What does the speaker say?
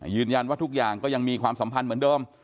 ยืนยันว่าทุกอย่างก็ยังมีความสัมพันธ์เหมือนเดิม